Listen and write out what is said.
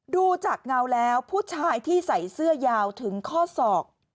ดูจากเงาแล้วผู้ชายที่ใส่เสื้อยาวถึงข้อศอก